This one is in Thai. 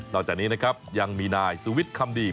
ตอนนี้นะครับยังมีนายสุวิทย์คำดี